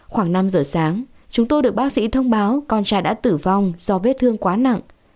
khoảng năm giờ sáng chúng tôi được bác sĩ thông báo con tra đã tử vong do vết thương quá nặng